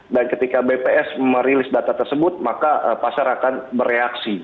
dan ketika bps merilis data tersebut maka pasar akan bereaksi